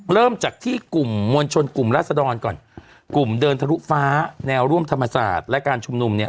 เริ่มจากที่กลุ่มมวลชนกลุ่มราศดรก่อนกลุ่มเดินทะลุฟ้าแนวร่วมธรรมศาสตร์และการชุมนุมเนี่ย